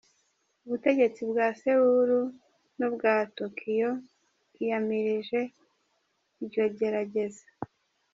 Ubutegetsi bwa Séoul n'ubwa Tokyo bwiyamirije iryo gerageza.